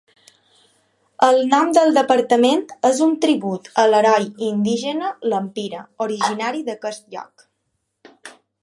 El nom del departament és un tribut a l'heroi indígena Lempira originari d'aquest lloc.